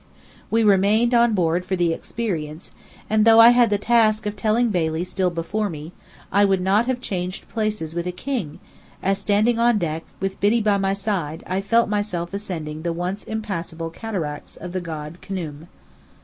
We remained on board for the experience; and though I had the task of telling Bailey, still before me, I would not have changed places with a king, as standing on deck, with Biddy by my side, I felt myself ascending the once impassable Cataracts of the god Khnum.